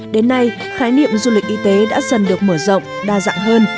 đến nay khái niệm du lịch y tế đã dần được mở rộng đa dạng hơn